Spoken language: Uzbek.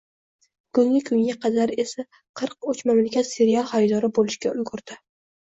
Bugungi kunga qadar esa qirq uch mamlakat serial haridori bo‘lishga ulgurdi.